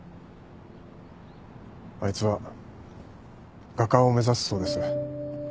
あいつは画家を目指すそうです。